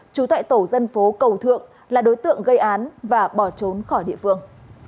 trú tại tổ dân phố cầu thượng là đối tượng gây án và bỏ trốn khỏi địa phương